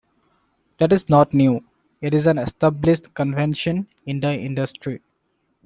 That's not new, it's an established convention in the industry.